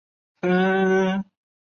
它们是吃浮游生物的。